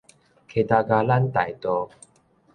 凱達格蘭大道